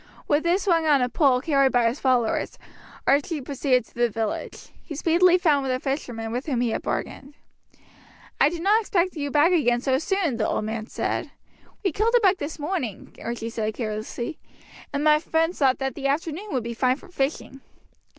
With this swung on a pole carried by his followers Archie proceeded to the village. He speedily found the fisherman with whom he had before bargained. "I did not expect you back again so soon," the old man said. "We killed a buck this morning," Archie said carelessly, "and my friends thought that the afternoon would be fine for fishing."